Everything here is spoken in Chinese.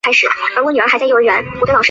埃韦特萨勒贝尔人口变化图示